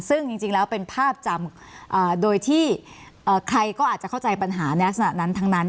ซึ่งจริงแล้วเป็นภาพจำโดยที่ใครก็อาจจะเข้าใจปัญหาในลักษณะนั้นทั้งนั้น